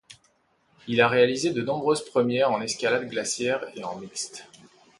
Il a réalisé de nombreuses premières en escalade glaciaire et en mixte.